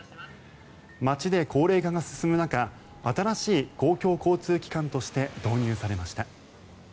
街で高齢化が進む中新しい公共交通機関として導入されました。